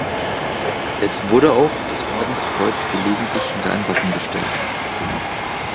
Es wurde auch das Ordenskreuz gelegentlich hinter ein Wappen gestellt.